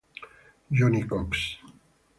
Johnny Cox